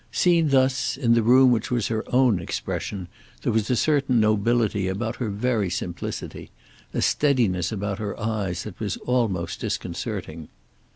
Seen thus, in the room which was her own expression, there was a certain nobility about her very simplicity, a steadiness about her eyes that was almost disconcerting.